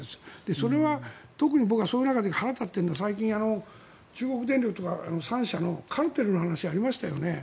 それは特に、僕はそういう中で腹が立っているのは最近、中国電力とか３社のカルテルの話がありましたよね。